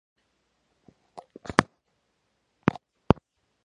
راهب ورته انجیل ډالۍ کړ.